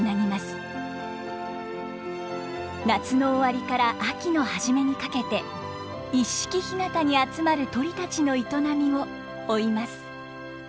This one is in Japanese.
夏の終わりから秋の初めにかけて一色干潟に集まる鳥たちの営みを追います。